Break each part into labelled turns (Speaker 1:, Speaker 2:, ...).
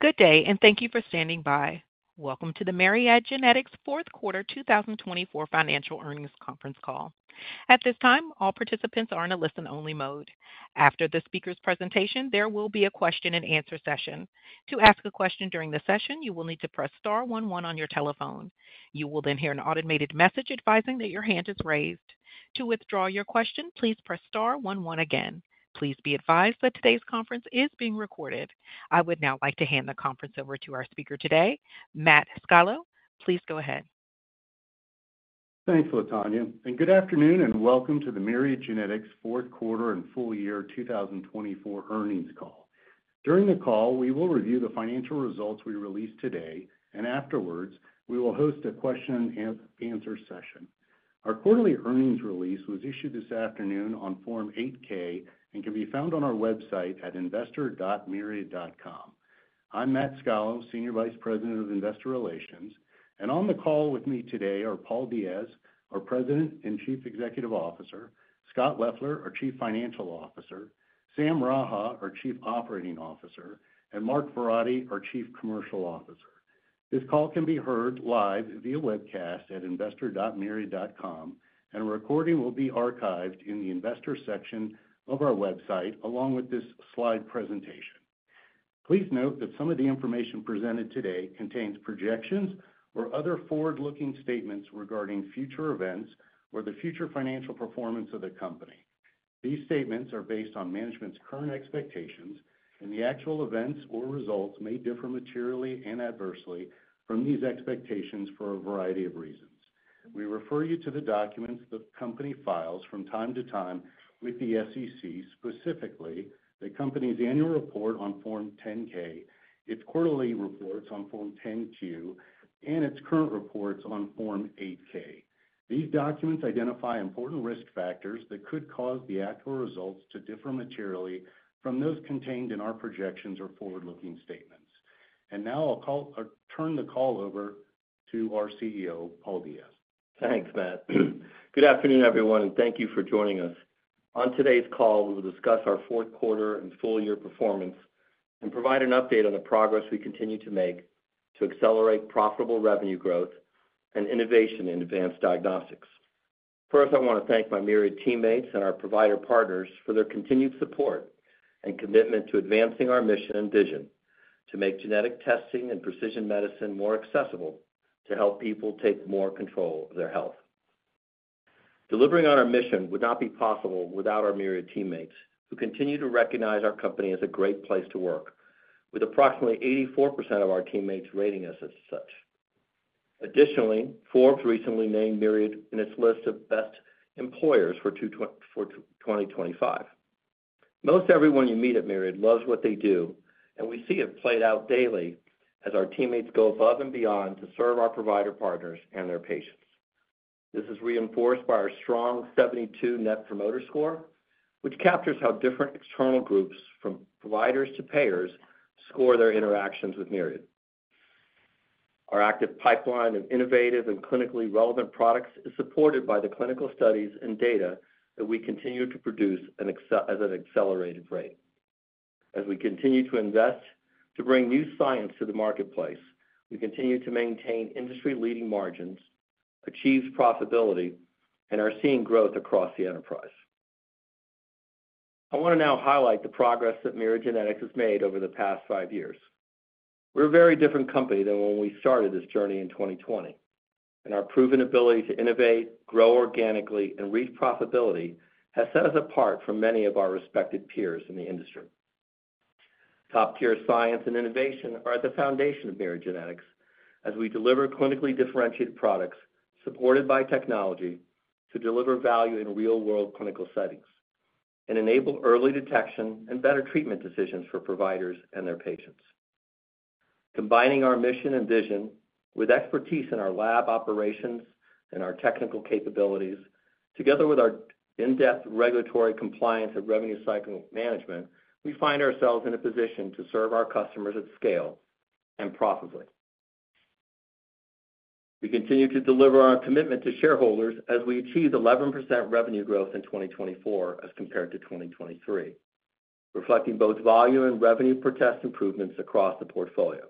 Speaker 1: Good day, and thank you for standing by. Welcome to the Myriad Genetics Q4 2024 Financial Earnings Conference Call. At this time, all participants are in a listen-only mode. After the speaker's presentation, there will be a question-and-answer session. To ask a question during the session, you will need to press star 11 on your telephone. You will then hear an automated message advising that your hand is raised. To withdraw your question, please press star one one again. Please be advised that today's conference is being recorded. I would now like to hand the conference over to our speaker today, Matt Scalo. Please go ahead.
Speaker 2: Thanks, Latonya. Good afternoon, and welcome to the Myriad Genetics Q4 and Full Year 2024 Earnings Call. During the call, we will review the financial results we released today, and afterwards, we will host a question-and-answer session. Our quarterly earnings release was issued this afternoon on Form 8-K and can be found on our website at investor.myriad.com. I'm Matt Scalo, Senior Vice President of Investor Relations, and on the call with me today are Paul Diaz, our President and Chief Executive Officer, Scott Leffler, our Chief Financial Officer, Sam Raha, our Chief Operating Officer, and Mark Verratti, our Chief Commercial Officer. This call can be heard live via webcast at investor.myriad.com, and a recording will be archived in the Investor section of our website, along with this slide presentation. Please note that some of the information presented today contains projections or other forward-looking statements regarding future events or the future financial performance of the company. These statements are based on management's current expectations, and the actual events or results may differ materially and adversely from these expectations for a variety of reasons. We refer you to the documents the company files from time to time with the SEC, specifically the company's annual report on Form 10-K, its quarterly reports on Form 10-Q, and its current reports on Form 8-K. These documents identify important risk factors that could cause the actual results to differ materially from those contained in our projections or forward-looking statements. And now I'll turn the call over to our CEO, Paul Diaz.
Speaker 3: Thanks, Matt. Good afternoon, everyone, and thank you for joining us. On today's call, we will discuss our Q4 and full year performance and provide an update on the progress we continue to make to accelerate profitable revenue growth and innovation in advanced diagnostics. First, I want to thank my Myriad teammates and our provider partners for their continued support and commitment to advancing our mission and vision to make genetic testing and precision medicine more accessible to help people take more control of their health. Delivering on our mission would not be possible without our Myriad teammates, who continue to recognize our company as a great place to work, with approximately 84% of our teammates rating us as such. Additionally, Forbes recently named Myriad in its list of best employers for 2025. Most everyone you meet at Myriad loves what they do, and we see it played out daily as our teammates go above and beyond to serve our provider partners and their patients. This is reinforced by our strong 72 Net Promoter Score, which captures how different external groups, from providers to payers, score their interactions with Myriad. Our active pipeline of innovative and clinically relevant products is supported by the clinical studies and data that we continue to produce at an accelerated rate. As we continue to invest to bring new science to the marketplace, we continue to maintain industry-leading margins, achieve profitability, and are seeing growth across the enterprise. I want to now highlight the progress that Myriad Genetics has made over the past five years. We're a very different company than when we started this journey in 2020, and our proven ability to innovate, grow organically, and reach profitability has set us apart from many of our respected peers in the industry. Top-tier science and innovation are at the foundation of Myriad Genetics as we deliver clinically differentiated products supported by technology to deliver value in real-world clinical settings and enable early detection and better treatment decisions for providers and their patients. Combining our mission and vision with expertise in our lab operations and our technical capabilities, together with our in-depth regulatory compliance and revenue cycle management, we find ourselves in a position to serve our customers at scale and profitably. We continue to deliver on our commitment to shareholders as we achieve 11% revenue growth in 2024 as compared to 2023, reflecting both volume and revenue per test improvements across the portfolio.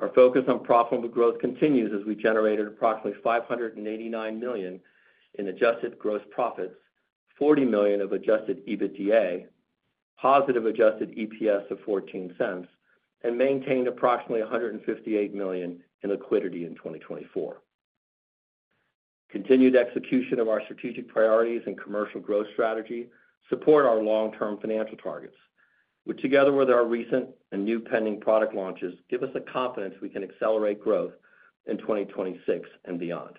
Speaker 3: Our focus on profitable growth continues as we generated approximately $589 million in adjusted gross profits, $40 million of adjusted EBITDA, positive adjusted EPS of $0.14, and maintained approximately $158 million in liquidity in 2024. Continued execution of our strategic priorities and commercial growth strategy support our long-term financial targets, which, together with our recent and new pending product launches, give us the confidence we can accelerate growth in 2026 and beyond.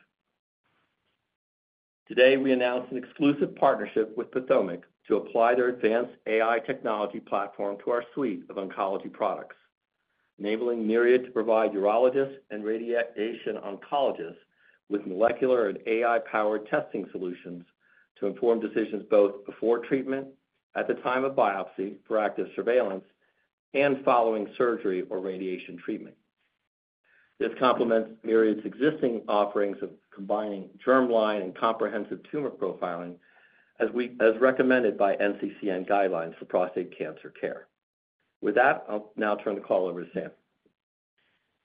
Speaker 3: Today, we announced an exclusive partnership with PATHOMIQ to apply their advanced AI technology platform to our suite of oncology products, enabling Myriad to provide urologists and radiation oncologists with molecular and AI-powered testing solutions to inform decisions both before treatment, at the time of biopsy for active surveillance, and following surgery or radiation treatment. This complements Myriad's existing offerings of combining germline and comprehensive tumor profiling as recommended by NCCN guidelines for prostate cancer care. With that, I'll now turn the call over to Sam.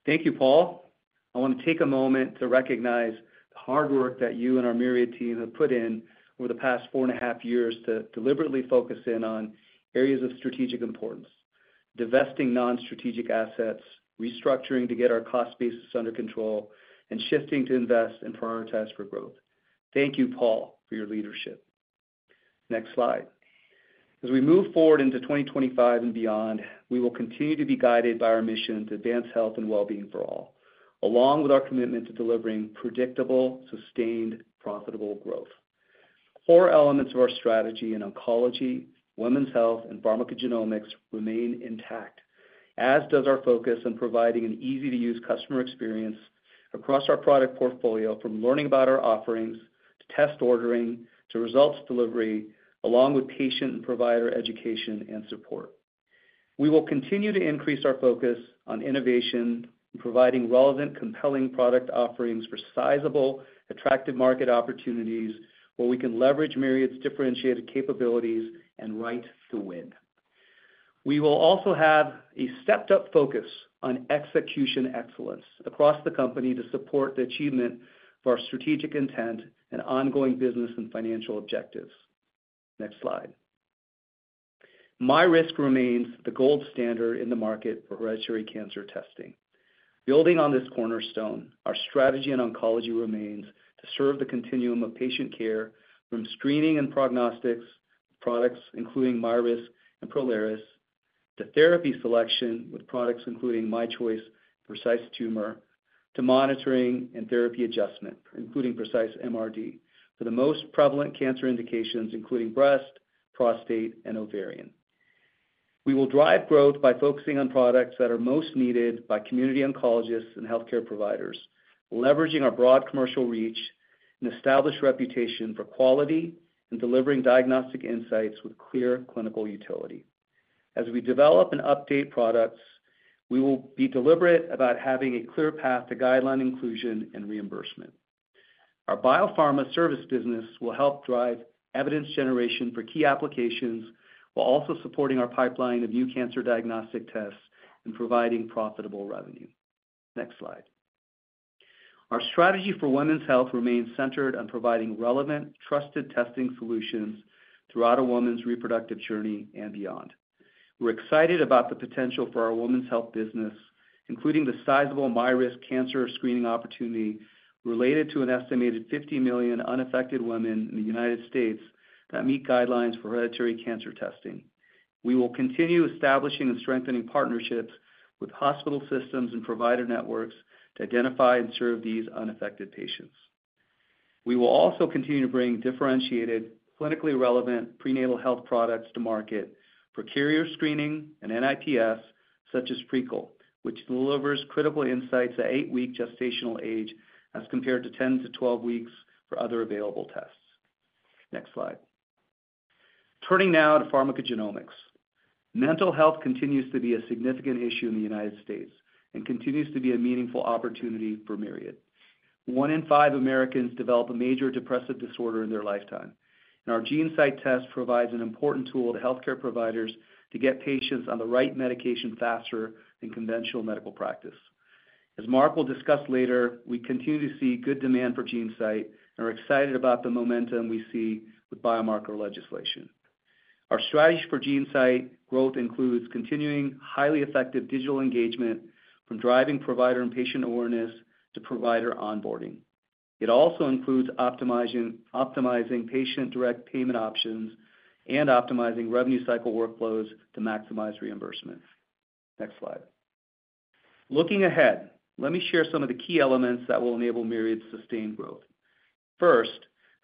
Speaker 4: Thank you, Paul. I want to take a moment to recognize the hard work that you and our Myriad team have put in over the past four and a half years to deliberately focus in on areas of strategic importance: divesting non-strategic assets, restructuring to get our cost basis under control, and shifting to invest and prioritize for growth. Thank you, Paul, for your leadership. Next slide. As we move forward into 2025 and beyond, we will continue to be guided by our mission to advance health and well-being for all, along with our commitment to delivering predictable, sustained, profitable growth. Core elements of our strategy in oncology, women's health, and pharmacogenomics remain intact, as does our focus on providing an easy-to-use customer experience across our product portfolio, from learning about our offerings to test ordering to results delivery, along with patient and provider education and support. We will continue to increase our focus on innovation and providing relevant, compelling product offerings for sizable, attractive market opportunities where we can leverage Myriad's differentiated capabilities and right to win. We will also have a stepped-up focus on execution excellence across the company to support the achievement of our strategic intent and ongoing business and financial objectives. Next slide. MyRisk remains the gold standard in the market for hereditary cancer testing. Building on this cornerstone, our strategy in oncology remains to serve the continuum of patient care from screening and prognostics with products including MyRisk and Prolaris to therapy selection with products including MyChoice and Precise Tumor to monitoring and therapy adjustment, including Precise MRD, for the most prevalent cancer indications, including breast, prostate, and ovarian. We will drive growth by focusing on products that are most needed by community oncologists and healthcare providers, leveraging our broad commercial reach and established reputation for quality and delivering diagnostic insights with clear clinical utility. As we develop and update products, we will be deliberate about having a clear path to guideline inclusion and reimbursement. Our biopharma service business will help drive evidence generation for key applications while also supporting our pipeline of new cancer diagnostic tests and providing profitable revenue. Next slide. Our strategy for women's health remains centered on providing relevant, trusted testing solutions throughout a woman's reproductive journey and beyond. We're excited about the potential for our women's health business, including the sizable MyRisk cancer screening opportunity related to an estimated 50 million unaffected women in the United States that meet guidelines for hereditary cancer testing. We will continue establishing and strengthening partnerships with hospital systems and provider networks to identify and serve these unaffected patients. We will also continue to bring differentiated, clinically relevant prenatal health products to market for carrier screening and NIPS, such as Prequel, which delivers critical insights at eight-week gestational age as compared to 10 to 12 weeks for other available tests. Next slide. Turning now to pharmacogenomics. Mental health continues to be a significant issue in the United States and continues to be a meaningful opportunity for Myriad. One in five Americans develop a major depressive disorder in their lifetime, and our GeneSight test provides an important tool to healthcare providers to get patients on the right medication faster than conventional medical practice. As Mark will discuss later, we continue to see good demand for GeneSight and are excited about the momentum we see with biomarker legislation. Our strategy for GeneSight growth includes continuing highly effective digital engagement, from driving provider and patient awareness to provider onboarding. It also includes optimizing patient-direct payment options and optimizing revenue cycle workflows to maximize reimbursement. Next slide. Looking ahead, let me share some of the key elements that will enable Myriad's sustained growth. First,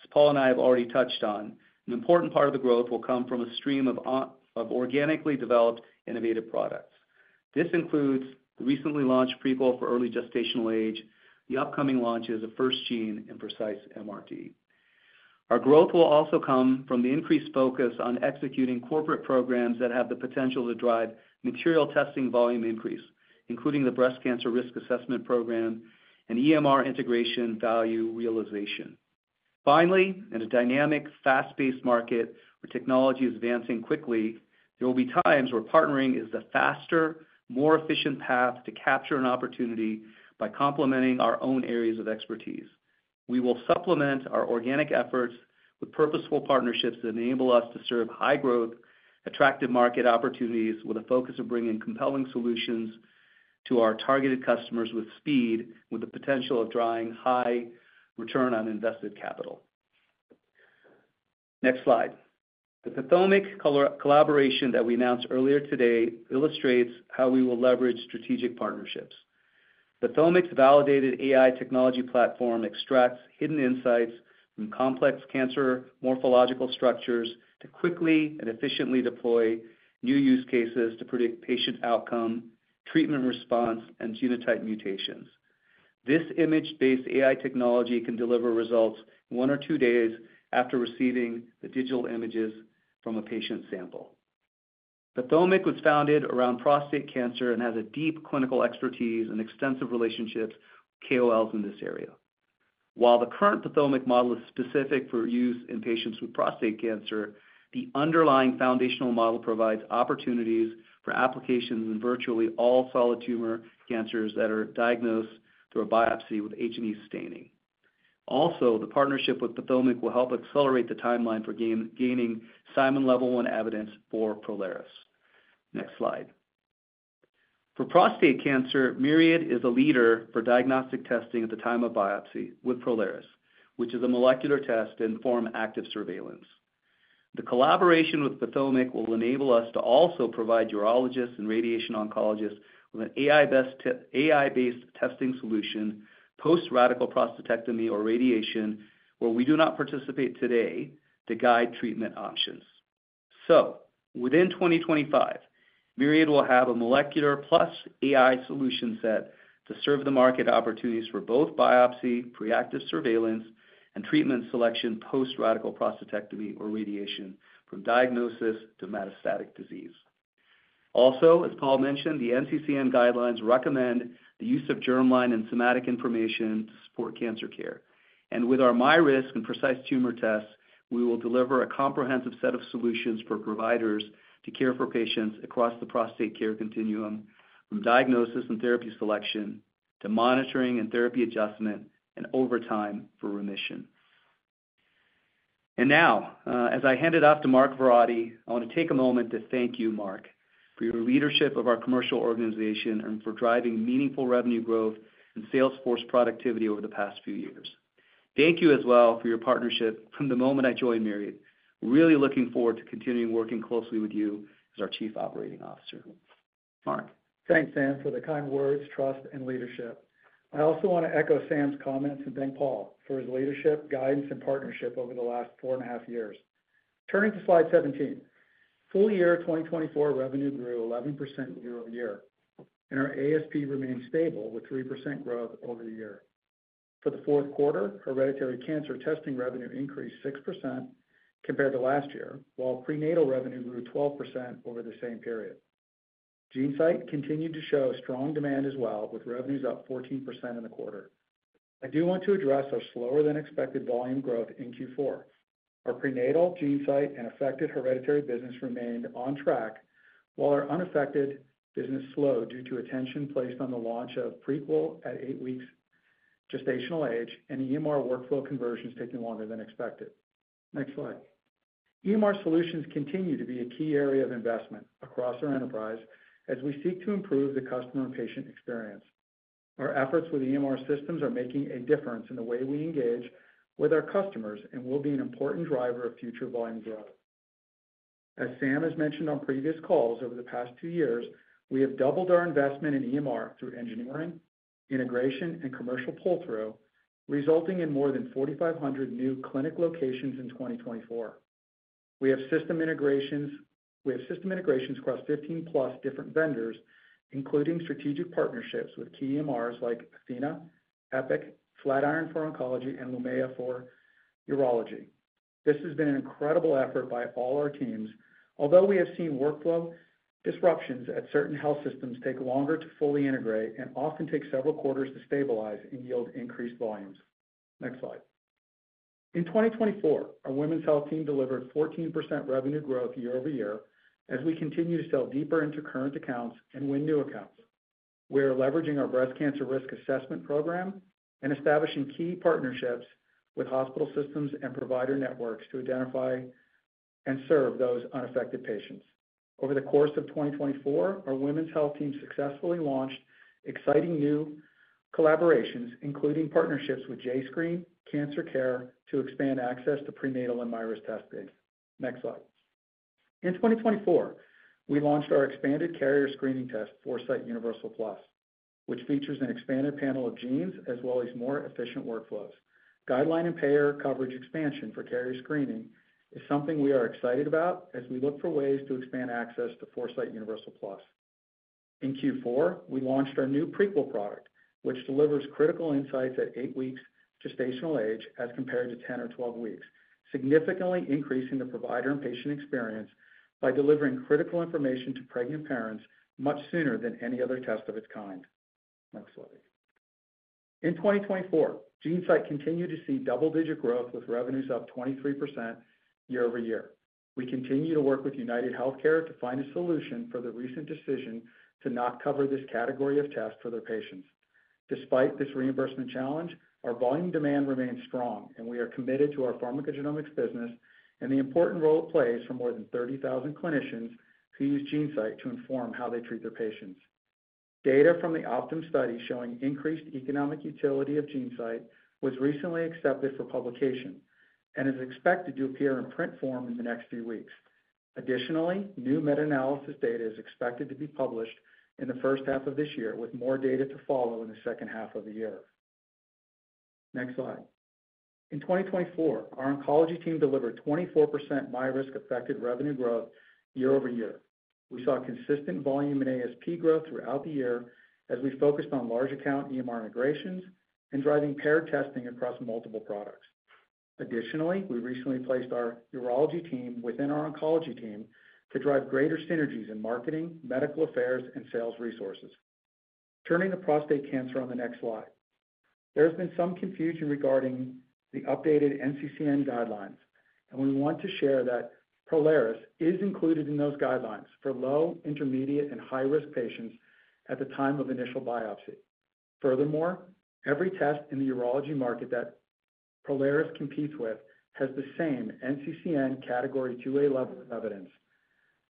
Speaker 4: as Paul and I have already touched on, an important part of the growth will come from a stream of organically developed innovative products. This includes the recently launched Prequel for early gestational age, the upcoming launches of FirstGene and Precise MRD. Our growth will also come from the increased focus on executing corporate programs that have the potential to drive material testing volume increase, including the breast cancer risk assessment program and EMR integration value realization. Finally, in a dynamic, fast-paced market where technology is advancing quickly, there will be times where partnering is the faster, more efficient path to capture an opportunity by complementing our own areas of expertise. We will supplement our organic efforts with purposeful partnerships that enable us to serve high-growth, attractive market opportunities with a focus of bringing compelling solutions to our targeted customers with speed, with the potential of drawing high return on invested capital. Next slide. The PATHOMIQ collaboration that we announced earlier today illustrates how we will leverage strategic partnerships. PATHOMIQ's validated AI technology platform extracts hidden insights from complex cancer morphological structures to quickly and efficiently deploy new use cases to predict patient outcome, treatment response, and genotype mutations. This image-based AI technology can deliver results one or two days after receiving the digital images from a patient sample. PATHOMIQ was founded around prostate cancer and has a deep clinical expertise and extensive relationships with KOLs in this area. While the current PATHOMIQ model is specific for use in patients with prostate cancer, the underlying foundational model provides opportunities for applications in virtually all solid tumor cancers that are diagnosed through a biopsy with H&E staining. Also, the partnership with PATHOMIQ will help accelerate the timeline for gaining Simon-level I evidence for Prolaris. Next slide. For prostate cancer, Myriad is a leader for diagnostic testing at the time of biopsy with Prolaris, which is a molecular test in the form of active surveillance. The collaboration with PATHOMIQ will enable us to also provide urologists and radiation oncologists with an AI-based testing solution post-radical prostatectomy or radiation, where we do not participate today, to guide treatment options. Within 2025, Myriad will have a molecular plus AI solution set to serve the market opportunities for both biopsy, pre-active surveillance, and treatment selection post-radical prostatectomy or radiation from diagnosis to metastatic disease. Also, as Paul mentioned, the NCCN guidelines recommend the use of germline and somatic information to support cancer care. With our MyRisk and Precise Tumor tests, we will deliver a comprehensive set of solutions for providers to care for patients across the prostate care continuum, from diagnosis and therapy selection to monitoring and therapy adjustment and over time for remission. Now, as I hand it off to Mark Verratti, I want to take a moment to thank you, Mark, for your leadership of our commercial organization and for driving meaningful revenue growth and sales force productivity over the past few years. Thank you as well for your partnership from the moment I joined Myriad. Really looking forward to continuing working closely with you as our Chief Operating Officer. Mark.
Speaker 5: Thanks, Sam, for the kind words, trust, and leadership. I also want to echo Sam's comments and thank Paul for his leadership, guidance, and partnership over the last four and a half years. Turning to slide 17, full year 2024 revenue grew 11% year-over-year, and our ASP remained stable with 3% growth over the year. For the Q4, hereditary cancer testing revenue increased 6% compared to last year, while prenatal revenue grew 12% over the same period. GeneSight continued to show strong demand as well, with revenues up 14% in the quarter. I do want to address our slower-than-expected volume growth in Q4. Our prenatal, GeneSight, and affected hereditary business remained on track, while our unaffected business slowed due to attention placed on the launch of Prequel at eight weeks gestational age and EMR workflow conversions taking longer than expected. Next slide. EMR solutions continue to be a key area of investment across our enterprise as we seek to improve the customer and patient experience. Our efforts with EMR systems are making a difference in the way we engage with our customers and will be an important driver of future volume growth. As Sam has mentioned on previous calls, over the past two years, we have doubled our investment in EMR through engineering, integration, and commercial pull-through, resulting in more than 4,500 new clinic locations in 2024. We have system integrations across 15-plus different vendors, including strategic partnerships with key EMRs like Athena, Epic, Flatiron for oncology, and Lumea for urology. This has been an incredible effort by all our teams, although we have seen workflow disruptions as certain health systems take longer to fully integrate and often take several quarters to stabilize and yield increased volumes. Next slide. In 2024, our women's health team delivered 14% revenue growth year over year as we continue to sell deeper into current accounts and win new accounts. We are leveraging our breast cancer risk assessment program and establishing key partnerships with hospital systems and provider networks to identify and serve those unaffected patients. Over the course of 2024, our women's health team successfully launched exciting new collaborations, including partnerships with jscreen, CancerCARE to expand access to prenatal and MyRisk testing. Next slide. In 2024, we launched our expanded carrier screening test, Foresight Universal Plus, which features an expanded panel of genes as well as more efficient workflows. Guideline and payer coverage expansion for carrier screening is something we are excited about as we look for ways to expand access to Foresight Universal Plus. In Q4, we launched our new Prequel product, which delivers critical insights at eight weeks gestational age as compared to 10 or 12 weeks, significantly increasing the provider and pati ent experience by delivering critical information to pregnant parents much sooner than any other test of its kind. Next slide. In 2024, GeneSight continued to see double-digit growth with revenues up 23% year over year. We continue to work with UnitedHealthcare to find a solution for the recent decision to not cover this category of test for their patients. Despite this reimbursement challenge, our volume demand remains strong, and we are committed to our pharmacogenomics business and the important role it plays for more than 30,000 clinicians who use GeneSight to inform how they treat their patients. Data from the Optum study showing increased economic utility of GeneSight was recently accepted for publication and is expected to appear in print form in the next few weeks. Additionally, new meta-analysis data is expected to be published in the first half of this year, with more data to follow in the second half of the year. Next slide. In 2024, our oncology team delivered 24% MyRisk-affected revenue growth year over year. We saw consistent volume and ASP growth throughout the year as we focused on large-account EMR integrations and driving paired testing across multiple products. Additionally, we recently placed our urology team within our oncology team to drive greater synergies in marketing, medical affairs, and sales resources. Turning to prostate cancer on the next slide. There has been some confusion regarding the updated NCCN guidelines, and we want to share that Prolaris is included in those guidelines for low, intermediate, and high-risk patients at the time of initial biopsy. Furthermore, every test in the urology market that Prolaris competes with has the same NCCN Category 2A level of evidence.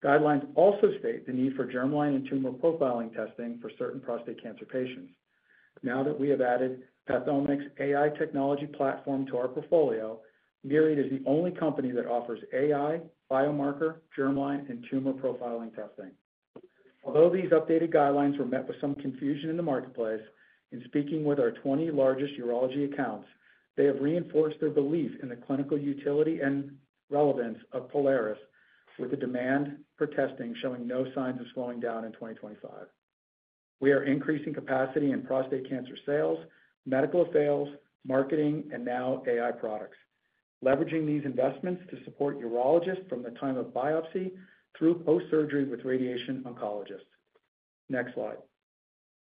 Speaker 5: Guidelines also state the need for germline and tumor profiling testing for certain prostate cancer patients. Now that we have added PATHOMIQ's AI technology platform to our portfolio, Myriad is the only company that offers AI, biomarker, germline, and tumor profiling testing. Although these updated guidelines were met with some confusion in the marketplace, in speaking with our 20 largest urology accounts, they have reinforced their belief in the clinical utility and relevance of Prolaris, with the demand for testing showing no signs of slowing down in 2025. We are increasing capacity in prostate cancer sales, medical affairs, marketing, and now AI products, leveraging these investments to support urologists from the time of biopsy through post-surgery with radiation oncologists. Next slide.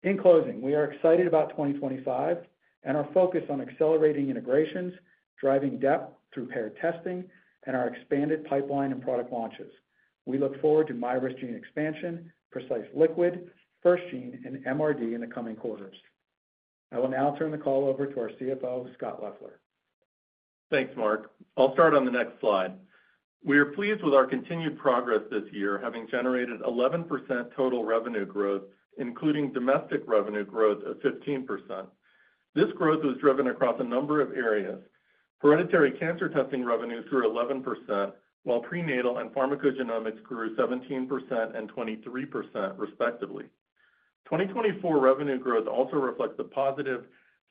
Speaker 5: In closing, we are excited about 2025 and our focus on accelerating integrations, driving depth through paired testing, and our expanded pipeline and product launches. We look forward to MyRisk gene expansion, Precise Liquid, FirstGene, and MRD in the coming quarters. I will now turn the call over to our CFO, Scott Leffler.
Speaker 6: Thanks, Mark. I'll start on the next slide. We are pleased with our continued progress this year, having generated 11% total revenue growth, including domestic revenue growth of 15%. This growth was driven across a number of areas. Hereditary cancer testing revenue grew 11%, while prenatal and pharmacogenomics grew 17% and 23%, respectively. 2024 revenue growth also reflects a positive,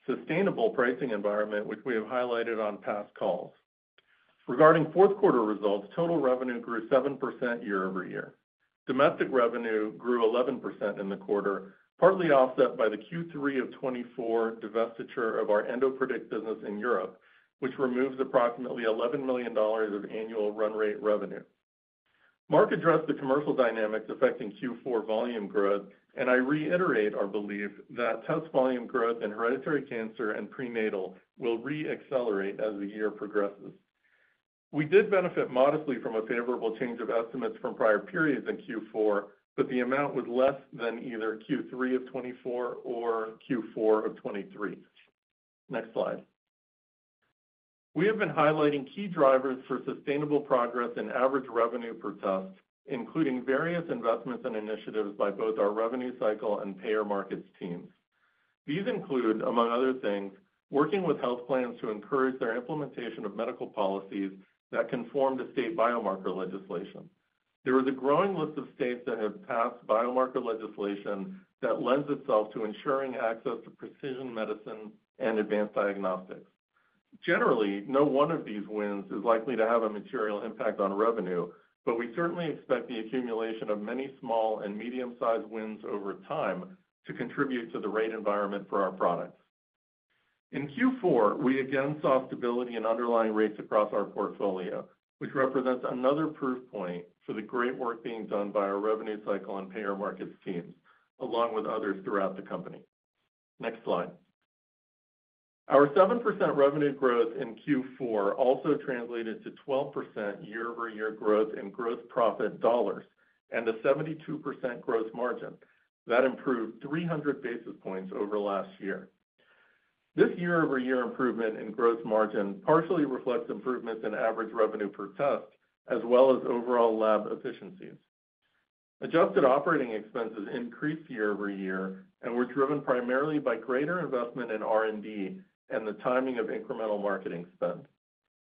Speaker 6: sustainable pricing environment, which we have highlighted on past calls. Regarding Q4 results, total revenue grew 7% year over year. Domestic revenue grew 11% in the quarter, partly offset by the Q3 of 2024 divestiture of our EndoPredict business in Europe, which removes approximately $11 million of annual run rate revenue. Mark addressed the commercial dynamics affecting Q4 volume growth, and I reiterate our belief that test volume growth in hereditary cancer and prenatal will re-accelerate as the year progresses. We did benefit modestly from a favorable change of estimates from prior periods in Q4, but the amount was less than either Q3 of 2024 or Q4 of 2023. Next slide. We have been highlighting key drivers for sustainable progress in average revenue per test, including various investments and initiatives by both our revenue cycle and payer markets teams. These include, among other things, working with health plans to encourage their implementation of medical policies that conform to state biomarker legislation. There is a growing list of states that have passed biomarker legislation that lends itself to ensuring access to precision medicine and advanced diagnostics. Generally, no one of these wins is likely to have a material impact on revenue, but we certainly expect the accumulation of many small and medium-sized wins over time to contribute to the rate environment for our products. In Q4, we again saw stability in underlying rates across our portfolio, which represents another proof point for the great work being done by our revenue cycle and payer markets teams, along with others throughout the company. Next slide. Our 7% revenue growth in Q4 also translated to 12% year-over-year growth in gross profit dollars and a 72% gross margin. That improved 300 basis points over last year. This year-over-year improvement in gross margin partially reflects improvements in average revenue per test, as well as overall lab efficiencies. Adjusted operating expenses increased year-over-year and were driven primarily by greater investment in R&D and the timing of incremental marketing spend.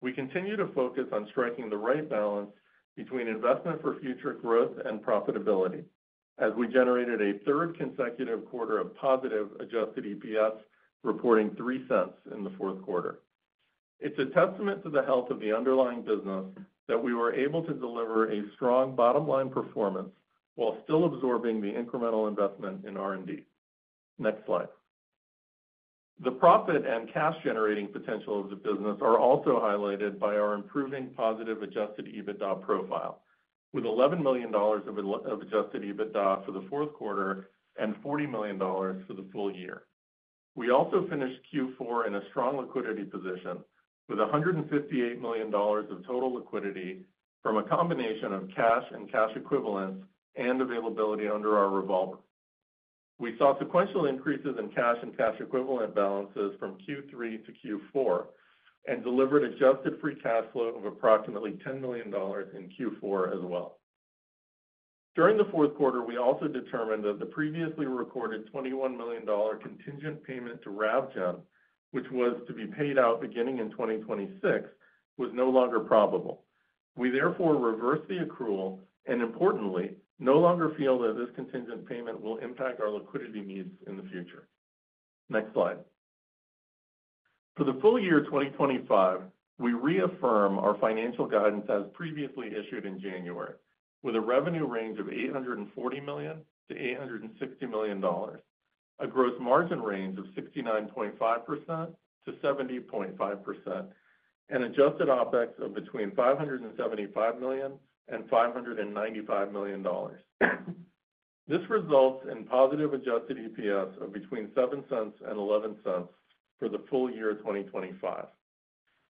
Speaker 6: We continue to focus on striking the right balance between investment for future growth and profitability, as we generated a third consecutive quarter of positive adjusted EPS, reporting $0.03 in the Q4. It's a testament to the health of the underlying business that we were able to deliver a strong bottom-line performance while still absorbing the incremental investment in R&D. Next slide. The profit and cash-generating potential of the business are also highlighted by our improving positive adjusted EBITDA profile, with $11 million of adjusted EBITDA for the Q4 and $40 million for the full year. We also finished Q4 in a strong liquidity position, with $158 million of total liquidity from a combination of cash and cash equivalents and availability under our revolver. We saw sequential increases in cash and cash equivalent balances from Q3 to Q4 and delivered adjusted free cash flow of approximately $10 million in Q4 as well. During the Q4, we also determined that the previously recorded $21 million contingent payment to Ravgen, which was to be paid out beginning in 2026, was no longer probable. We therefore reversed the accrual and, importantly, no longer feel that this contingent payment will impact our liquidity needs in the future. Next slide. For the full year 2025, we reaffirm our financial guidance as previously issued in January, with a revenue range of $840 million-$860 million, a gross margin range of 69.5%-70.5%, and adjusted OpEx of between $575 million and $595 million. This results in positive adjusted EPS of between $0.07 and $0.11 for the full year 2025.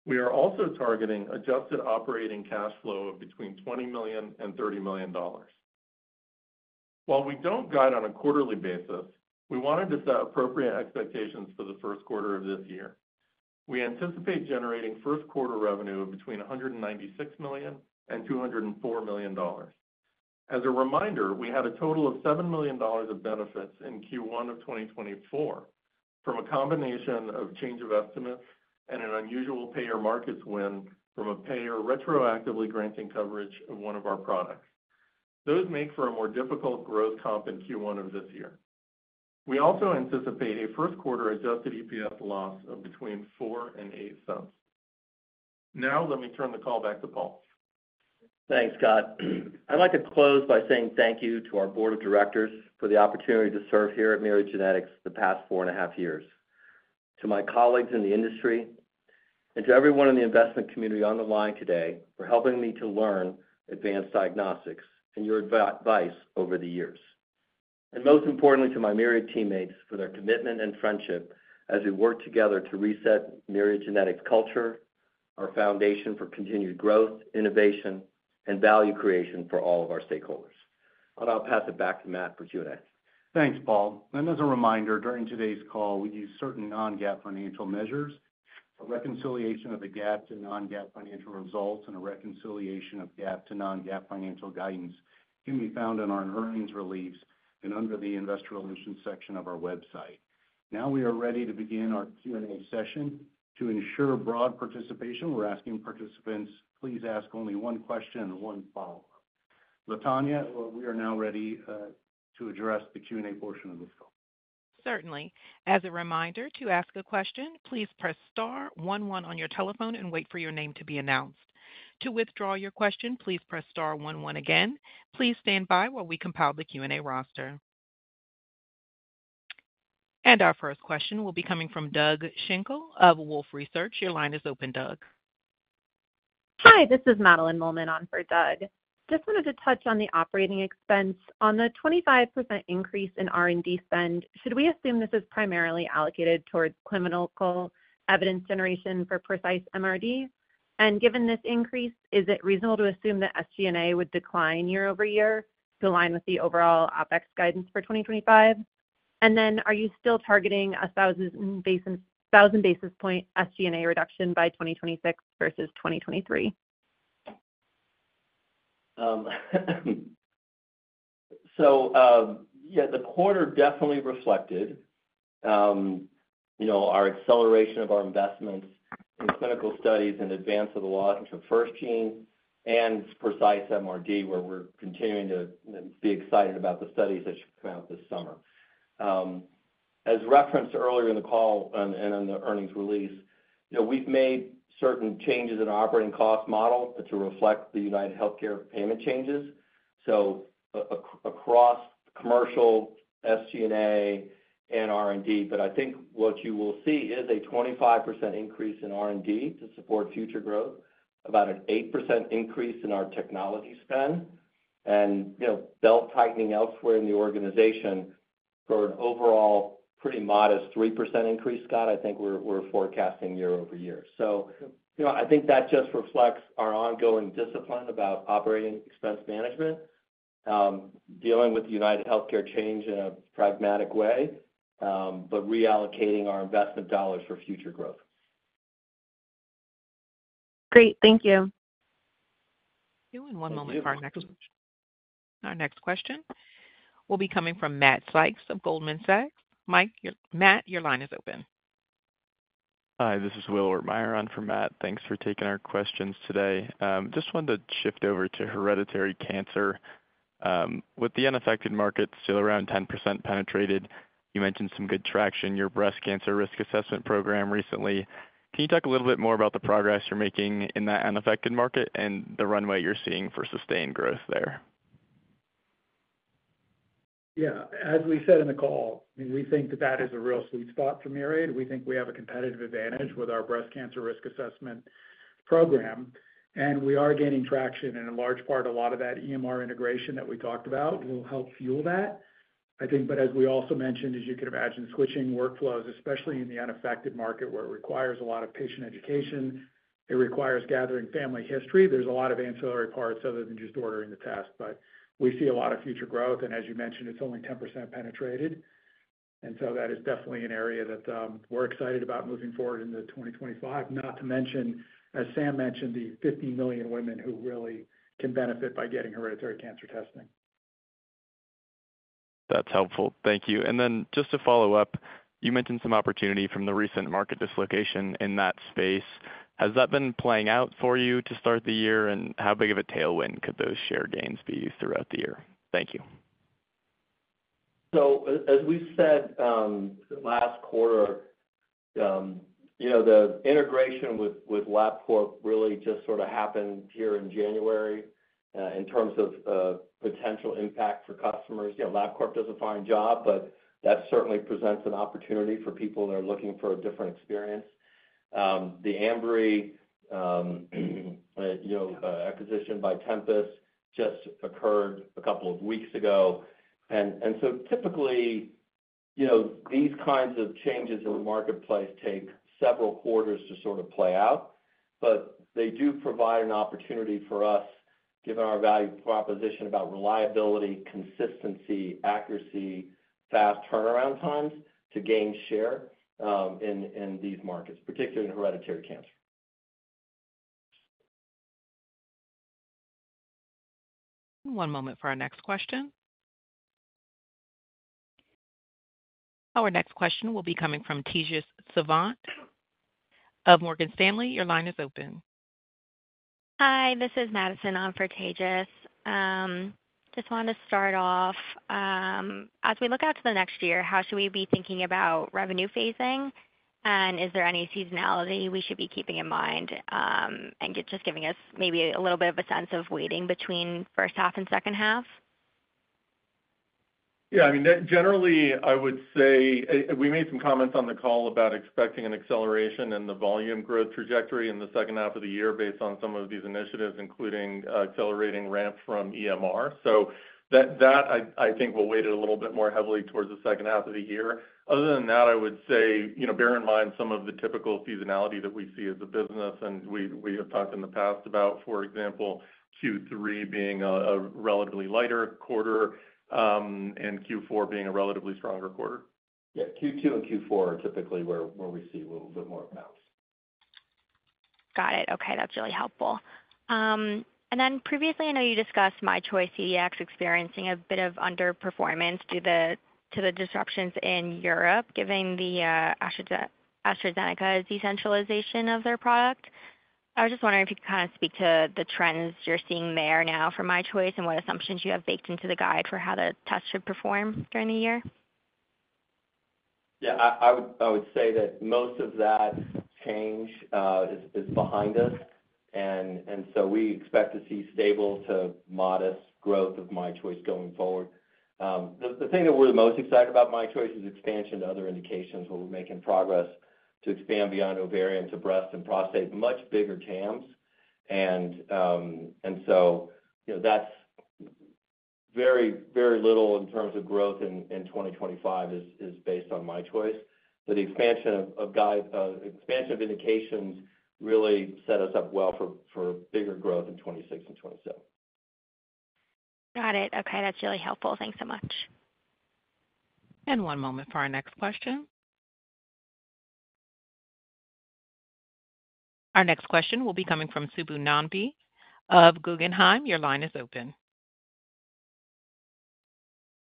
Speaker 6: We are also targeting adjusted operating cash flow of between $20 million and $30 million. While we don't guide on a quarterly basis, we wanted to set appropriate expectations for the Q1 of this year. We anticipate generating Q1 revenue of between $196 million and $204 million. As a reminder, we had a total of $7 million of benefits in Q1 of 2024 from a combination of change of estimates and an unusual payer markets win from a payer retroactively granting coverage of one of our products. Those make for a more difficult growth comp in Q1 of this year. We also anticipate a Q1 adjusted EPS loss of between $0.04 and $0.08. Now, let me turn the call back to Paul.
Speaker 3: Thanks, Scott. I'd like to close by saying thank you to our board of directors for the opportunity to serve here at Myriad Genetics the past four and a half years, to my colleagues in the industry, and to everyone in the investment community on the line today for helping me to learn advanced diagnostics and your advice over the years. And most importantly, to my Myriad teammates for their commitment and friendship as we work together to reset Myriad Genetics culture, our foundation for continued growth, innovation, and value creation for all of our stakeholders. And I'll pass it back to Matt for Q&A.
Speaker 2: Thanks, Paul. And as a reminder, during today's call, we use certain non-GAAP financial measures. A reconciliation of the GAAP to non-GAAP financial results and a reconciliation of GAAP to non-GAAP financial guidance can be found in our earnings release and under the investor relations section of our website. Now we are ready to begin our Q&A session. To ensure broad participation, we're asking participants, please ask only one question and one follow-up. Latonya, we are now ready to address the Q&A portion of this call.
Speaker 1: Certainly. As a reminder, to ask a question, please press star one one on your telephone and wait for your name to be announced. To withdraw your question, please press star one one again. Please stand by while we compile the Q&A roster. And our first question will be coming from Doug Schenkel of Wolfe Research. Your line is open, Doug.
Speaker 7: Hi, this is Madeline Mollman on for Doug. Just wanted to touch on the operating expense. On the 25% increase in R&D spend, should we assume this is primarily allocated towards clinical evidence generation for Precise MRD? And given this increase, is it reasonable to assume that SG&A would decline year-over-year to align with the overall OPEX guidance for 2025? And then, are you still targeting a 1,000 basis points SG&A reduction by 2026 versus 2023?
Speaker 3: So, yeah, the quarter definitely reflected, you know, our acceleration of our investments in clinical studies and advance of the launch of FirstGene and Precise MRD, where we're continuing to be excited about the studies that should come out this summer. As referenced earlier in the call and in the earnings release, you know, we've made certain changes in our operating cost model to reflect the UnitedHealthcare payment changes. So, across commercial SG&A and R&D, but I think what you will see is a 25% increase in R&D to support future growth, about an 8% increase in our technology spend, and, you know, belt tightening elsewhere in the organization for an overall pretty modest 3% increase, Scott. I think we're forecasting year over year. You know, I think that just reflects our ongoing discipline about operating expense management, dealing with UnitedHealthcare change in a pragmatic way, but reallocating our investment dollars for future growth.
Speaker 7: Great. Thank you.
Speaker 1: One moment for our next question. Our next question will be coming from Matt Sykes of Goldman Sachs. Matt, your line is open.
Speaker 8: Hi, this is Will Ortmayer on for Matt. Thanks for taking our questions today. Just wanted to shift over to hereditary cancer. With the unaffected market still around 10% penetrated, you mentioned some good traction in your breast cancer risk assessment program recently. Can you talk a little bit more about the progress you're making in that unaffected market and the runway you're seeing for sustained growth there?
Speaker 2: Yeah. As we said in the call, we think that that is a real sweet spot for Myriad. We think we have a competitive advantage with our breast cancer risk assessment program, and we are gaining traction. And in large part, a lot of that EMR integration that we talked about will help fuel that, I think. But as we also mentioned, as you could imagine, switching workflows, especially in the unaffected market where it requires a lot of patient education, it requires gathering family history. There's a lot of ancillary parts other than just ordering the test, but we see a lot of future growth. And as you mentioned, it's only 10% penetrated. And so that is definitely an area that we're excited about moving forward into 2025, not to mention, as Sam mentioned, the 50 million women who really can benefit by getting hereditary cancer testing.
Speaker 8: That's helpful. Thank you. And then just to follow up, you mentioned some opportunity from the recent market dislocation in that space. Has that been playing out for you to start the year? And how big of a tailwind could those share gains be throughout the year? Thank you.
Speaker 3: So, as we said last quarter, you know, the integration with LabCorp really just sort of happened here in January in terms of potential impact for customers. You know, LabCorp does a fine job, but that certainly presents an opportunity for people that are looking for a different experience. The Ambry, you know, acquisition by Tempus just occurred a couple of weeks ago. And so typically, you know, these kinds of changes in the marketplace take several quarters to sort of play out, but they do provide an opportunity for us, given our value proposition about reliability, consistency, accuracy, fast turnaround times to gain share in these markets, particularly in hereditary cancer.
Speaker 1: One moment for our next question. Our next question will be coming from Tejas Savant of Morgan Stanley. Your line is open.
Speaker 9: Hi, this is Madison for Tejas. Just wanted to start off, as we look out to the next year, how should we be thinking about revenue phasing? And is there any seasonality we should be keeping in mind and just giving us maybe a little bit of a sense of weighting between first half and second half?
Speaker 2: Yeah. I mean, generally, I would say we made some comments on the call about expecting an acceleration in the volume growth trajectory in the second half of the year based on some of these initiatives, including accelerating ramp from EMR. So that, I think, will weigh a little bit more heavily towards the second half of the year. Other than that, I would say, you know, bear in mind some of the typical seasonality that we see as a business. We have talked in the past about, for example, Q3 being a relatively lighter quarter and Q4 being a relatively stronger quarter.
Speaker 3: Yeah. Q2 and Q4 are typically where we see a little bit more bounce.
Speaker 9: Got it. Okay. That's really helpful. And then previously, I know you discussed MyChoice CDx experiencing a bit of underperformance due to the disruptions in Europe, given the AstraZeneca decentralization of their product. I was just wondering if you could kind of speak to the trends you're seeing there now for MyChoice and what assumptions you have baked into the guide for how the test should perform during the year?
Speaker 3: Yeah. I would say that most of that change is behind us. And so we expect to see stable to modest growth of MyChoice going forward. The thing that we're the most excited about, MyChoice, is expansion to other indications. We're making progress to expand beyond ovarian to breast and prostate, much bigger TAMs. And so, you know, that's very, very little in terms of growth in 2025 is based on MyChoice. But the expansion of indications really set us up well for bigger growth in 2026 and 2027.
Speaker 9: Got it. Okay. That's really helpful. Thanks so much.
Speaker 1: And one moment for our next question. Our next question will be coming from Subbu Nambi of Guggenheim. Your line is open.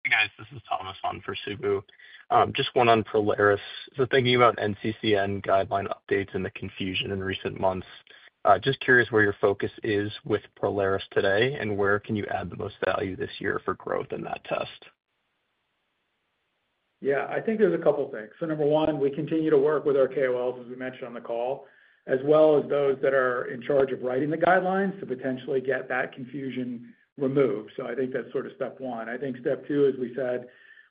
Speaker 10: Hey, guys. This is Thomas on for Subbu. Just one on Prolaris. So, thinking about NCCN guideline updates and the confusion in recent months, just curious where your focus is with Prolaris today and where can you add the most value this year for growth in that test.
Speaker 2: Yeah. I think there's a couple of things. So number one, we continue to work with our KOLs, as we mentioned on the call, as well as those that are in charge of writing the guidelines to potentially get that confusion removed. So I think that's sort of step one. I think step two, as we said,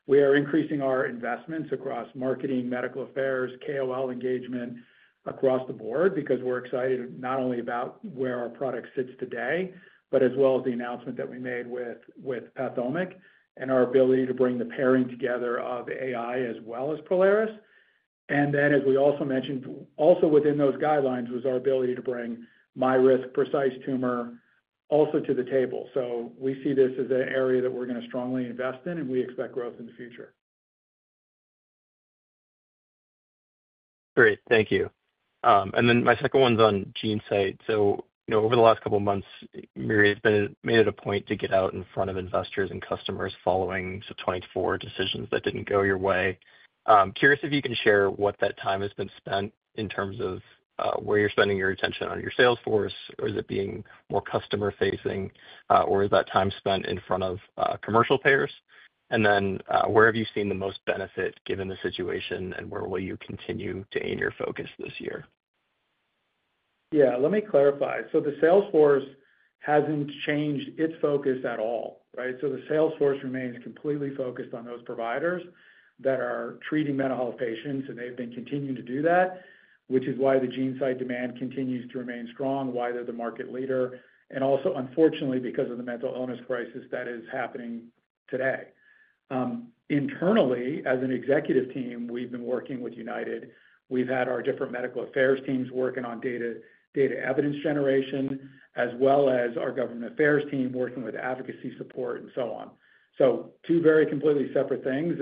Speaker 2: we are increasing our investments across marketing, medical affairs, KOL engagement across the board because we're excited not only about where our product sits today, but as well as the announcement that we made with PATHOMIQ and our ability to bring the pairing together of AI as well as Prolaris. And then, as we also mentioned, also within those guidelines was our ability to bring MyRisk, Precise Tumor also to the table. So we see this as an area that we're going to strongly invest in, and we expect growth in the future.
Speaker 10: Great. Thank you. And then my second one's on GeneSight. So, you know, over the last couple of months, Myriad has made it a point to get out in front of investors and customers following some draft decisions that didn't go your way. Curious if you can share what that time has been spent in terms of where you're spending your attention on your sales force, or is it being more customer-facing, or is that time spent in front of commercial payers? And then where have you seen the most benefit given the situation, and where will you continue to aim your focus this year?
Speaker 2: Yeah. Let me clarify. So the sales force hasn't changed its focus at all, right? So the sales force remains completely focused on those providers that are treating mental health patients, and they've been continuing to do that, which is why the GeneSight demand continues to remain strong, why they're the market leader, and also, unfortunately, because of the mental illness crisis that is happening today. Internally, as an executive team, we've been working with United. We've had our different medical affairs teams working on data evidence generation, as well as our government affairs team working with advocacy support and so on. So two very completely separate things,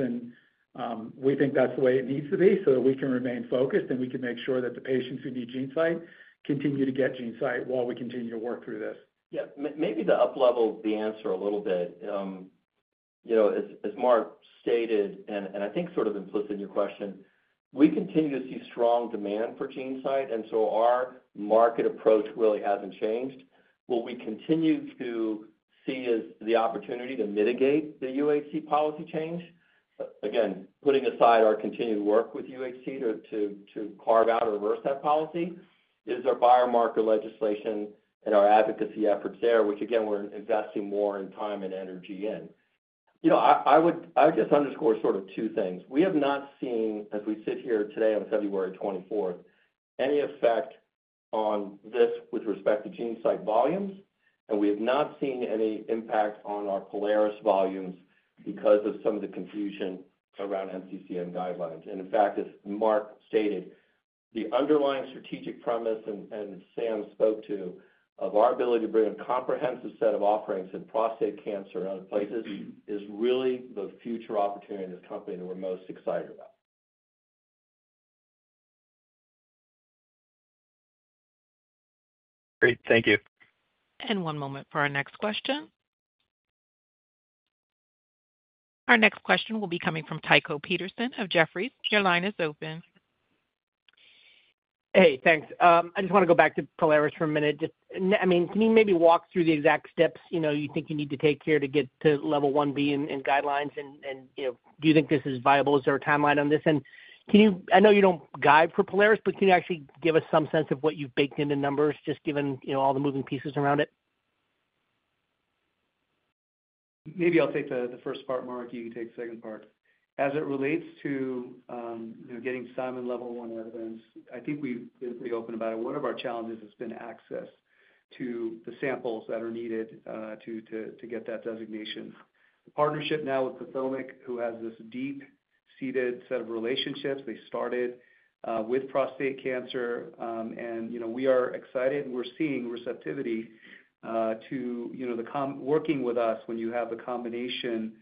Speaker 2: and we think that's the way it needs to be so that we can remain focused and we can make sure that the patients who need GeneSight continue to get GeneSight while we continue to work through this.
Speaker 3: Yeah. Maybe to uplevel the answer a little bit, you know, as Mark stated, and I think sort of implicit in your question, we continue to see strong demand for GeneSight, and so our market approach really hasn't changed. What we continue to see is the opportunity to mitigate the UHC policy change. Again, putting aside our continued work with UHC to carve out or reverse that policy is our biomarker legislation and our advocacy efforts there, which, again, we're investing more in time and energy in. You know, I would just underscore sort of two things. We have not seen, as we sit here today on 24 February, any effect on this with respect to GeneSight volumes, and we have not seen any impact on our Prolaris volumes because of some of the confusion around NCCN guidelines. And in fact, as Mark stated, the underlying strategic premise and Sam spoke to of our ability to bring a comprehensive set of offerings in prostate cancer and other places is really the future opportunity in this company that we're most excited about. Great. Thank you.
Speaker 1: One moment for our next question. Our next question will be coming from Tycho Peterson of Jefferies. Your line is open.
Speaker 11: Hey, thanks. I just want to go back to Prolaris for a minute. I mean, can you maybe walk through the exact steps, you know, you think you need to take here to get to level 1B and guidelines? And, you know, do you think this is viable? Is there a timeline on this? And can you—I know you don't guide for Prolaris, but can you actually give us some sense of what you've baked into numbers, just given, you know, all the moving pieces around it?
Speaker 2: Maybe I'll take the first part, Mark. You can take the second part. As it relates to, you know, getting Simon-level I evidence, I think we've been pretty open about it. One of our challenges has been access to the samples that are needed to get that designation. The partnership now with PATHOMIQ, who has this deep-seated set of relationships, they started with prostate cancer. And, you know, we are excited, and we're seeing receptivity to, you know, the working with us when you have the combination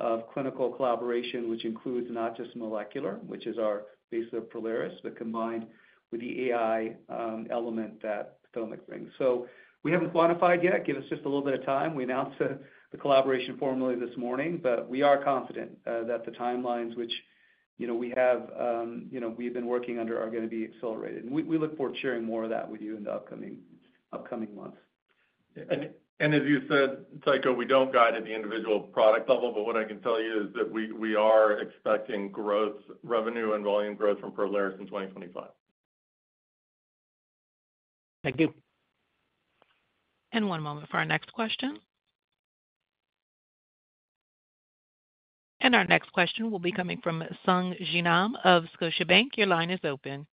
Speaker 2: of clinical collaboration, which includes not just molecular, which is our base of Prolaris, but combined with the AI element that PATHOMIQ brings. So we haven't quantified yet. Give us just a little bit of time. We announced the collaboration formally this morning, but we are confident that the timelines, which, you know, we've been working under, are going to be accelerated, and we look forward to sharing more of that with you in the upcoming months.
Speaker 3: As you said, Tycho, we don't guide at the individual product level, but what I can tell you is that we are expecting growth, revenue, and volume growth from Prolaris in 2025.
Speaker 11: Thank you.
Speaker 1: One moment for our next question. Our next question will be coming from Sung Ji Nam of Scotiabank. Your line is open.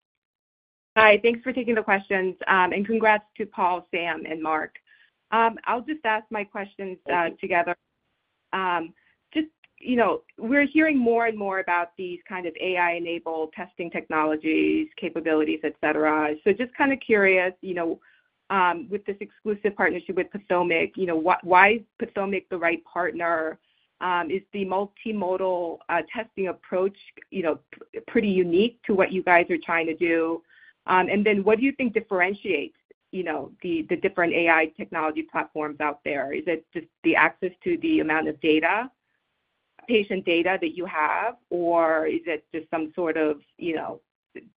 Speaker 12: Hi. Thanks for taking the questions, and congrats to Paul, Sam, and Mark. I'll just ask my questions together. Just, you know, we're hearing more and more about these kind of AI-enabled testing technologies, capabilities, etc. So just kind of curious, you know, with this exclusive partnership with PATHOMIQ, you know, why is PATHOMIQ the right partner? Is the multimodal testing approach, you know, pretty unique to what you guys are trying to do? And then what do you think differentiates, you know, the different AI technology platforms out there? Is it just the access to the amount of patient data that you have, or is it just some sort of, you know,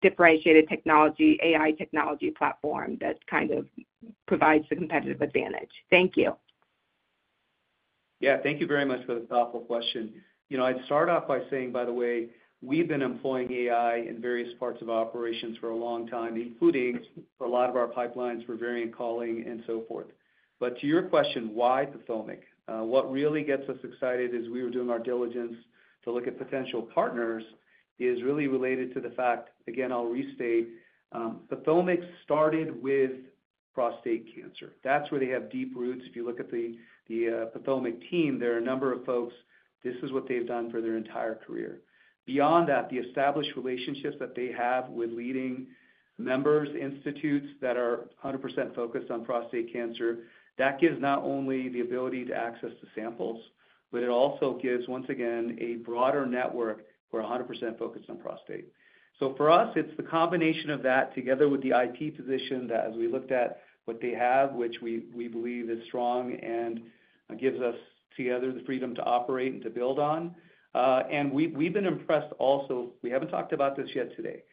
Speaker 12: differentiated technology, AI technology platform that kind of provides the competitive advantage? Thank you.
Speaker 2: Yeah. Thank you very much for the thoughtful question. You know, I'd start off by saying, by the way, we've been employing AI in various parts of operations for a long time, including for a lot of our pipelines for variant calling and so forth. But to your question, why PATHOMIQ? What really gets us excited as we were doing our diligence to look at potential partners is really related to the fact, again, I'll restate, PATHOMIQ started with prostate cancer. That's where they have deep roots. If you look at the PATHOMIQ team, there are a number of folks. This is what they've done for their entire career. Beyond that, the established relationships that they have with leading medical institutes that are 100% focused on prostate cancer, that gives not only the ability to access the samples, but it also gives, once again, a broader network. We're 100% focused on prostate. So for us, it's the combination of that together with the IP position that, as we looked at what they have, which we believe is strong and gives us together the freedom to operate and to build on. And we've been impressed also. We haven't talked about this yet today.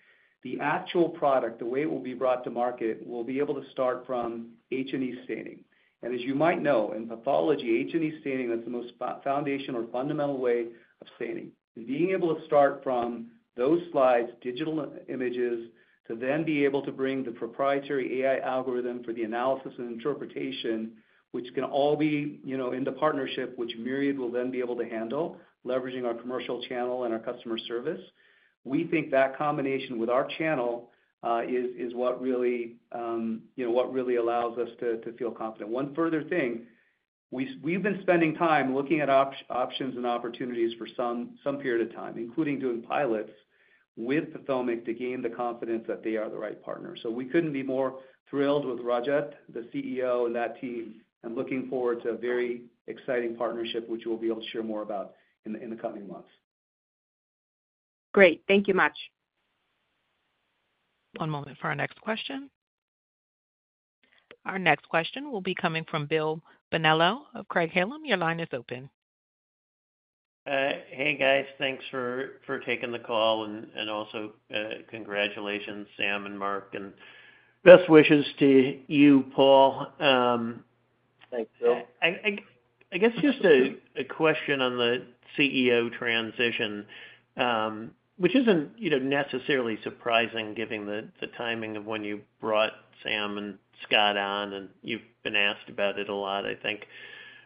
Speaker 2: The actual product, the way it will be brought to market, will be able to start from H&E staining. And as you might know, in pathology, H&E staining, that's the most foundational or fundamental way of staining. Being able to start from those slides, digital images, to then be able to bring the proprietary AI algorithm for the analysis and interpretation, which can all be, you know, in the partnership, which Myriad will then be able to handle, leveraging our commercial channel and our customer service. We think that combination with our channel is what really, you know, what really allows us to feel confident. One further thing, we've been spending time looking at options and opportunities for some period of time, including doing pilots with PATHOMIQ to gain the confidence that they are the right partner. So we couldn't be more thrilled with Rajat, the CEO and that team, and looking forward to a very exciting partnership, which we'll be able to share more about in the coming months.
Speaker 12: Great. Thank you much.
Speaker 1: One moment for our next question. Our next question will be coming from Bill Bonello of Craig-Hallum. Your line is open.
Speaker 13: Hey, guys. Thanks for taking the call, and also congratulations, Sam and Mark, and best wishes to you, Paul.
Speaker 3: Thanks, Bill.
Speaker 13: I guess just a question on the CEO transition, which isn't, you know, necessarily surprising given the timing of when you brought Sam and Scott on, and you've been asked about it a lot, I think,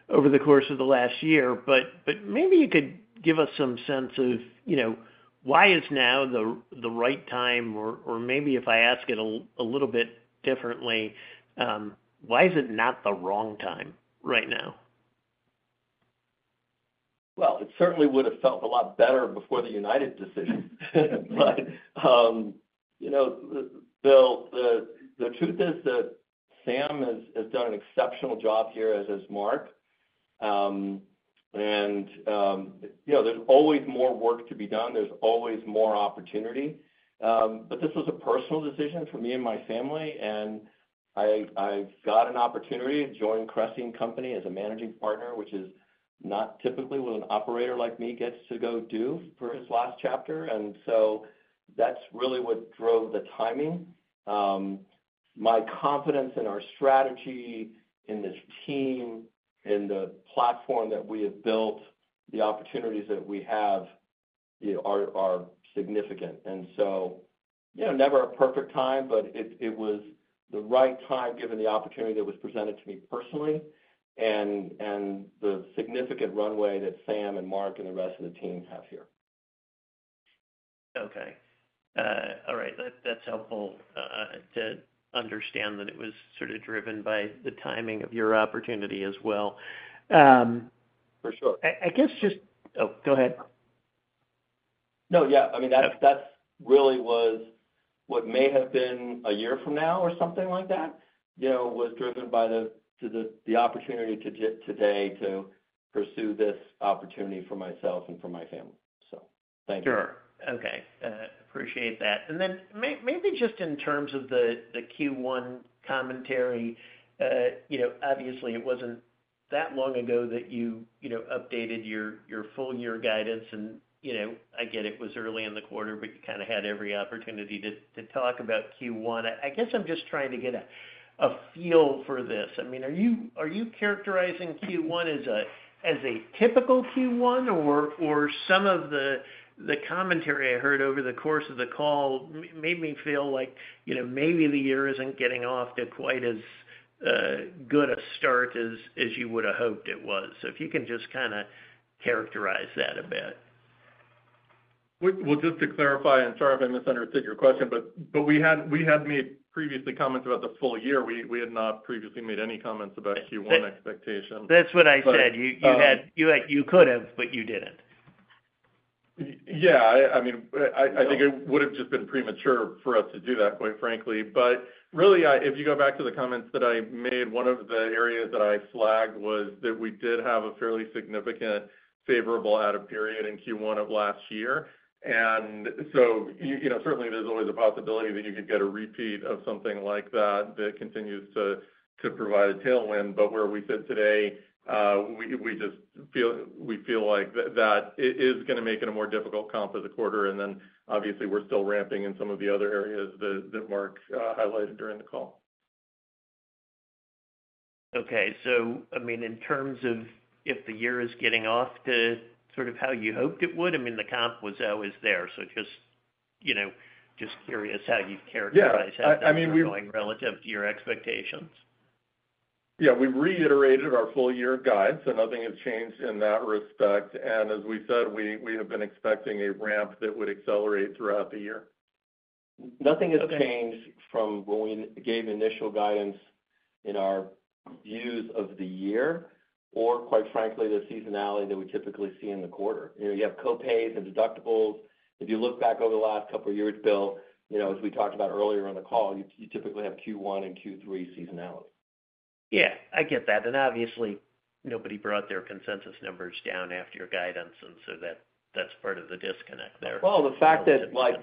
Speaker 13: over the course of the last year. But maybe you could give us some sense of, you know, why is now the right time? Or maybe if I ask it a little bit differently, why is it not the wrong time right now?
Speaker 3: It certainly would have felt a lot better before the United decision. But, you know, Bill, the truth is that Sam has done an exceptional job here, as has Mark. And, you know, there's always more work to be done. There's always more opportunity. But this was a personal decision for me and my family. And I've got an opportunity to join Cressey & Company as a managing partner, which is not typically what an operator like me gets to go do for his last chapter. And so that's really what drove the timing. My confidence in our strategy, in the team, in the platform that we have built, the opportunities that we have, you know, are significant. You know, never a perfect time, but it was the right time given the opportunity that was presented to me personally and the significant runway that Sam and Mark and the rest of the team have here.
Speaker 13: Okay. All right. That's helpful to understand that it was sort of driven by the timing of your opportunity as well.
Speaker 3: For sure.
Speaker 13: I guess just, oh, go ahead.
Speaker 3: No, yeah. I mean, that really was what may have been a year from now or something like that, you know, was driven by the opportunity today to pursue this opportunity for myself and for my family. So thank you.
Speaker 13: Sure. Okay. Appreciate that. And then maybe just in terms of the Q1 commentary, you know, obviously it wasn't that long ago that you, you know, updated your full year guidance. And, you know, I get it was early in the quarter, but you kind of had every opportunity to talk about Q1. I guess I'm just trying to get a feel for this. I mean, are you characterizing Q1 as a typical Q1, or some of the commentary I heard over the course of the call made me feel like, you know, maybe the year isn't getting off to quite as good a start as you would have hoped it was? So if you can just kind of characterize that a bit.
Speaker 3: Just to clarify, and sorry if I misunderstood your question, but we had made previously comments about the full year. We had not previously made any comments about Q1 expectations.
Speaker 13: That's what I said. You could have, but you didn't.
Speaker 3: Yeah. I mean, I think it would have just been premature for us to do that, quite frankly. But really, if you go back to the comments that I made, one of the areas that I flagged was that we did have a fairly significant favorable out-of-period in Q1 of last year. And so, you know, certainly there's always a possibility that you could get a repeat of something like that that continues to provide a tailwind. But where we sit today, we just feel like that is going to make it a more difficult comp as a quarter. And then, obviously, we're still ramping in some of the other areas that Mark highlighted during the call.
Speaker 13: Okay. So, I mean, in terms of if the year is getting off to sort of how you hoped it would, I mean, the comp was always there. So just, you know, just curious how you'd characterize how things are going relative to your expectations?
Speaker 3: Yeah. We reiterated our full year guide, so nothing has changed in that respect. And as we said, we have been expecting a ramp that would accelerate throughout the year. Nothing has changed from when we gave initial guidance in our views of the year or, quite frankly, the seasonality that we typically see in the quarter. You know, you have co-pays and deductibles. If you look back over the last couple of years, Bill, you know, as we talked about earlier on the call, you typically have Q1 and Q3 seasonality.
Speaker 13: Yeah. I get that. And obviously, nobody brought their consensus numbers down after your guidance. And so that's part of the disconnect there.
Speaker 3: The fact that my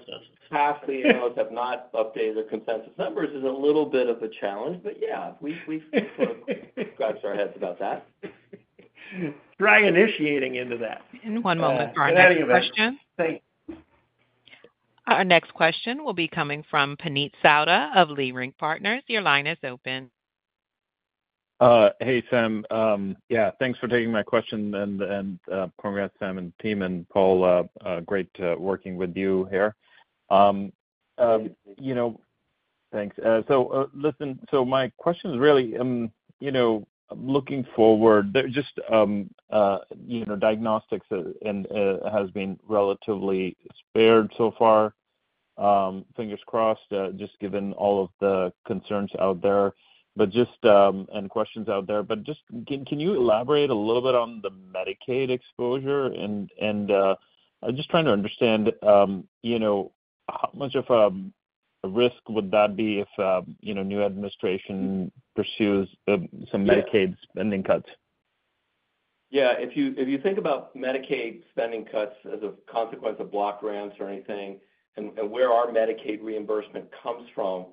Speaker 3: past CEOs have not updated their consensus numbers is a little bit of a challenge, but yeah, we've sort of scratched our heads about that.
Speaker 13: Try initiating into that.
Speaker 1: In one moment.
Speaker 3: Any of that.
Speaker 14: Question?
Speaker 3: Thank you.
Speaker 1: Our next question will be coming from Puneet Souda of Leerink Partners. Your line is open.
Speaker 15: Hey, Sam. Yeah. Thanks for taking my question. And congrats, Sam and team and Paul. Great working with you here. You know, thanks. So listen, so my question is really, you know, looking forward, just, you know, diagnostics has been relatively spared so far. Fingers crossed, just given all of the concerns out there. But just, and questions out there, but just can you elaborate a little bit on the Medicaid exposure? And I'm just trying to understand, you know, how much of a risk would that be if, you know, new administration pursues some Medicaid spending cuts?
Speaker 3: Yeah. If you think about Medicaid spending cuts as a consequence of block grants or anything, and where our Medicaid reimbursement comes from,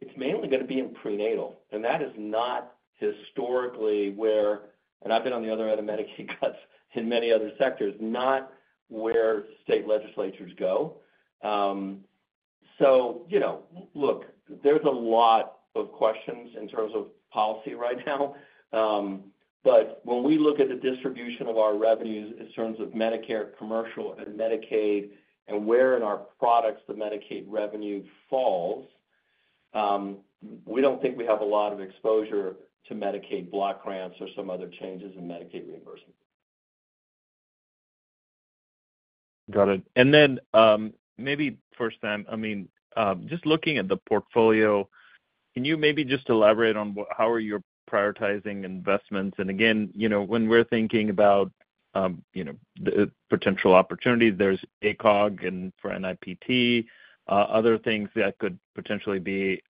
Speaker 3: it's mainly going to be in prenatal, and that is not historically where, and I've been on the other end of Medicaid cuts in many other sectors, not where state legislatures go, so you know, look, there's a lot of questions in terms of policy right now, but when we look at the distribution of our revenues in terms of Medicare, commercial, and Medicaid, and where in our products the Medicaid revenue falls, we don't think we have a lot of exposure to Medicaid block grants or some other changes in Medicaid reimbursement.
Speaker 15: Got it. And then maybe first, Sam, I mean, just looking at the portfolio, can you maybe just elaborate on how are you prioritizing investments? And again, you know, when we're thinking about, you know, the potential opportunity, there's ACOG and for NIPT, other things that could potentially be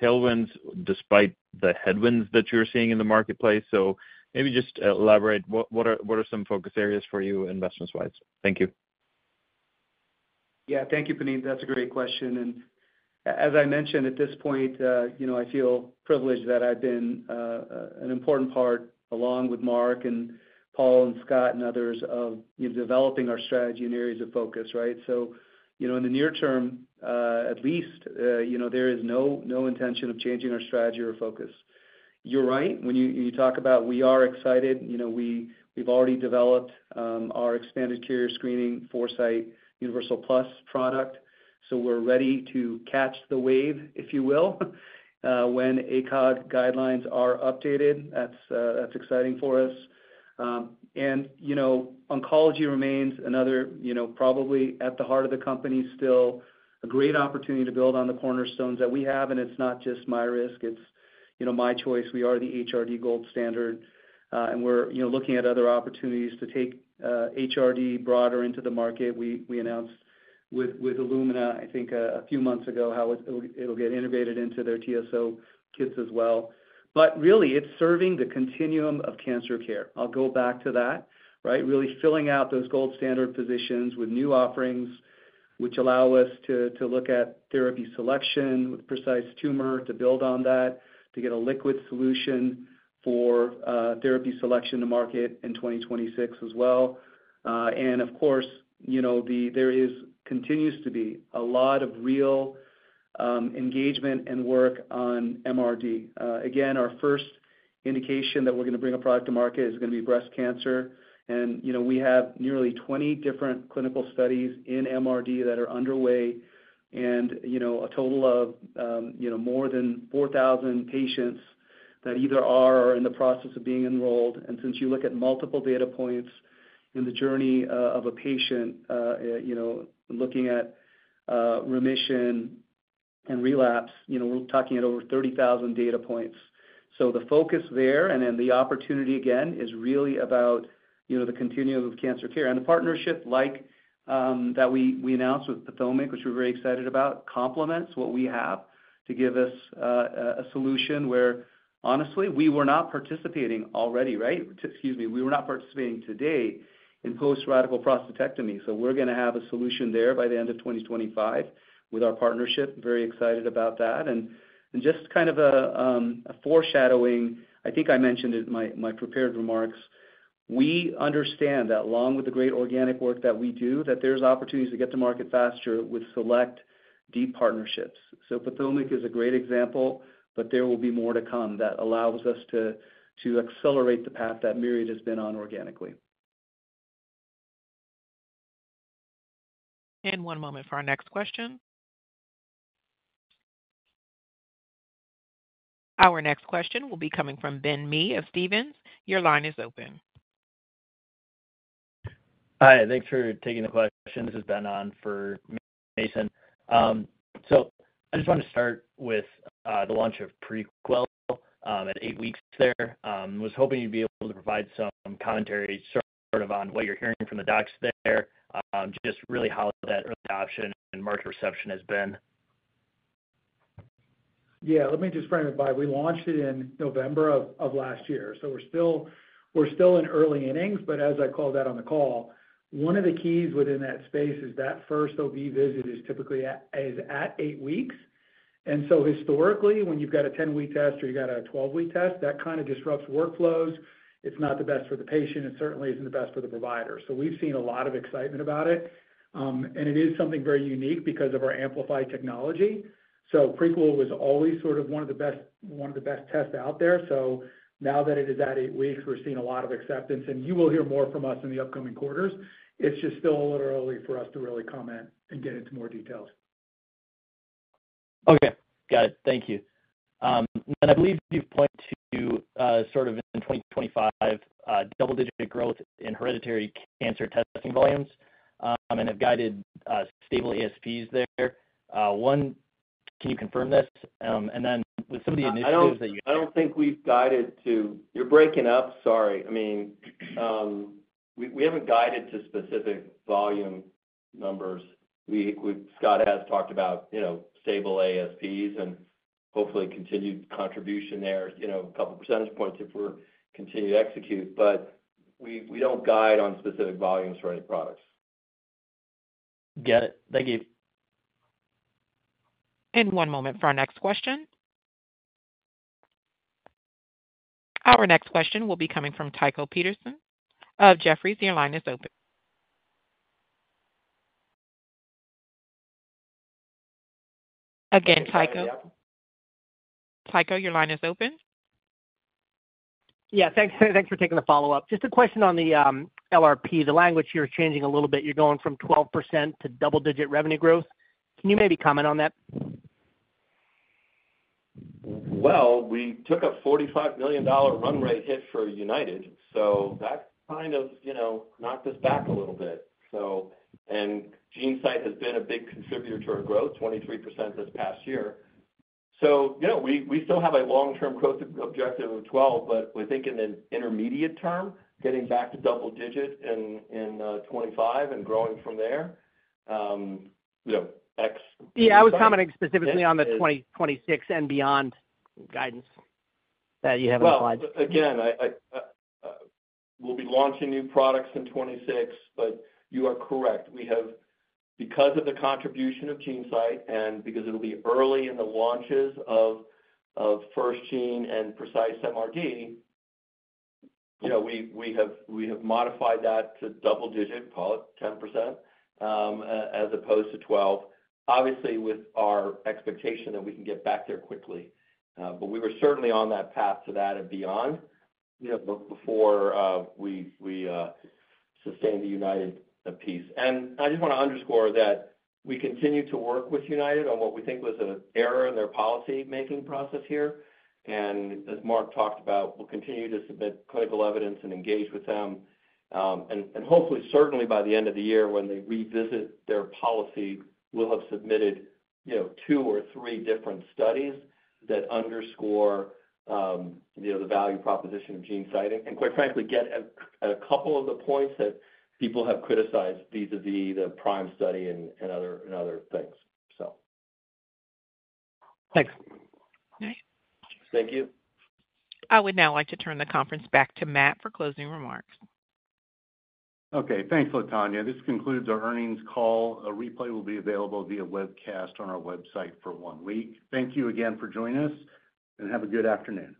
Speaker 15: tailwinds despite the headwinds that you're seeing in the marketplace. So maybe just elaborate what are some focus areas for you investment-wise? Thank you.
Speaker 4: Yeah. Thank you, Puneet. That's a great question. And as I mentioned, at this point, you know, I feel privileged that I've been an important part along with Mark and Paul and Scott and others of developing our strategy and areas of focus, right? So, you know, in the near term, at least, you know, there is no intention of changing our strategy or focus. You're right. When you talk about, "We are excited," you know, we've already developed our expanded carrier screening Foresight Universal Plus product. So we're ready to catch the wave, if you will, when ACOG guidelines are updated. That's exciting for us. And, you know, oncology remains another, you know, probably at the heart of the company still, a great opportunity to build on the cornerstones that we have. And it's not just MyRisk. It's, you know, MyChoice. We are the HRD gold standard. And we're, you know, looking at other opportunities to take HRD broader into the market. We announced with Illumina, I think, a few months ago how it'll get integrated into their TSO kits as well. But really, it's serving the continuum of cancer care. I'll go back to that, right? Really filling out those gold standard positions with new offerings, which allow us to look at therapy selection with Precise Tumor to build on that, to get a liquid solution for therapy selection to market in 2026 as well. And of course, you know, there continues to be a lot of real engagement and work on MRD. Again, our first indication that we're going to bring a product to market is going to be breast cancer. And, you know, we have nearly 20 different clinical studies in MRD that are underway. You know, a total of, you know, more than 4,000 patients that either are or are in the process of being enrolled. Since you look at multiple data points in the journey of a patient, you know, looking at remission and relapse, you know, we're talking at over 30,000 data points. The focus there, and then the opportunity again, is really about, you know, the continuum of cancer care. The partnership like that we announced with PATHOMIQ, which we're very excited about, complements what we have to give us a solution where, honestly, we were not participating already, right? Excuse me. We were not participating today in post-radical prostatectomy. We're going to have a solution there by the end of 2025 with our partnership. Very excited about that. Just kind of a foreshadowing, I think I mentioned it in my prepared remarks. We understand that along with the great organic work that we do, that there's opportunities to get to market faster with select deep partnerships. So PATHOMIQ is a great example, but there will be more to come that allows us to accelerate the path that Myriad has been on organically.
Speaker 1: One moment for our next question. Our next question will be coming from Ben Mee of Stephens. Your line is open.
Speaker 16: Hi. Thanks for taking the question. This is Ben on for Mason. So I just want to start with the launch of Prequel at eight weeks there. I was hoping you'd be able to provide some commentary sort of on what you're hearing from the docs there, just really how that early adoption and market reception has been?
Speaker 2: Yeah. Let me just frame it by. We launched it in November of last year, so we're still in early innings, but as I called out on the call, one of the keys within that space is that first OB visit is typically at eight weeks, and so historically, when you've got a 10-week test or you've got a 12-week test, that kind of disrupts workflows. It's not the best for the patient. It certainly isn't the best for the provider, so we've seen a lot of excitement about it, and it is something very unique because of our amplified technology. So Prequel was always sort of one of the best tests out there, so now that it is at eight weeks, we're seeing a lot of acceptance, and you will hear more from us in the upcoming quarters. It's just still a little early for us to really comment and get into more details.
Speaker 16: Okay. Got it. Thank you. And I believe you've pointed to sort of in 2025, double-digit growth in hereditary cancer testing volumes and have guided stable ASPs there. One, can you confirm this? And then with some of the initiatives that you have.
Speaker 3: I don't think we've guided to—you're breaking up. Sorry. I mean, we haven't guided to specific volume numbers. Scott has talked about, you know, stable ASPs and hopefully continued contribution there, you know, a couple of percentage points if we're continuing to execute. But we don't guide on specific volumes for any products.
Speaker 16: Got it. Thank you.
Speaker 1: And one moment for our next question. Our next question will be coming from Tycho Peterson of Jefferies. Your line is open. Again, Tycho. Tycho, your line is open.
Speaker 11: Yeah. Thanks for taking the follow-up. Just a question on the LRP. The language here is changing a little bit. You're going from 12% to double-digit revenue growth. Can you maybe comment on that?
Speaker 3: We took a $45 million run rate hit for United. So that kind of, you know, knocked us back a little bit. So, and GeneSight has been a big contributor to our growth, 23% this past year. So, you know, we still have a long-term growth objective of 12%, but we're thinking in intermediate term, getting back to double-digit in 2025 and growing from there, you know, X.
Speaker 11: Yeah. I was commenting specifically on the 2026 and beyond guidance that you have applied.
Speaker 3: Well, again, we'll be launching new products in 2026. But you are correct. We have, because of the contribution of GeneSight and because it'll be early in the launches of FirstGene and Precise MRD, you know, we have modified that to double-digit, call it 10% as opposed to 12%, obviously with our expectation that we can get back there quickly. But we were certainly on that path to that and beyond, you know, before we sustained the United piece. And I just want to underscore that we continue to work with United on what we think was an error in their policymaking process here. And as Mark talked about, we'll continue to submit clinical evidence and engage with them. Hopefully, certainly by the end of the year when they revisit their policy, we'll have submitted, you know, two or three different studies that underscore, you know, the value proposition of GeneSight and, quite frankly, get at a couple of the points that people have criticized vis-à-vis the prime study and other things, so.
Speaker 11: Thanks.
Speaker 3: Thank you.
Speaker 1: I would now like to turn the conference back to Matt for closing remarks.
Speaker 2: Okay. Thanks, Latonya. This concludes our earnings call. A replay will be available via webcast on our website for one week. Thank you again for joining us and have a good afternoon.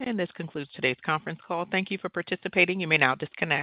Speaker 1: This concludes today's conference call. Thank you for participating. You may now disconnect.